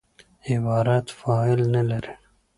عبارت فاعل نه لري.